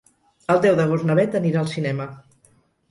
El deu d'agost na Beth anirà al cinema.